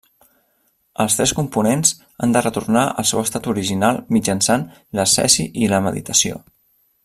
Els tres components han de retornar al seu estat original mitjançant l'ascesi i la meditació.